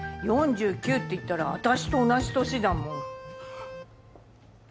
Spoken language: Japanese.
４９っていったら私と同じ年だもん。